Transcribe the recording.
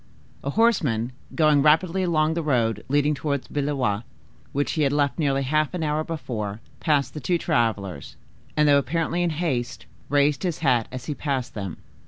A horseman going rapidly along the road leading towards Blois, which he had left nearly half an hour before, passed the two travelers, and, though apparently in haste, raised his hat as he passed them.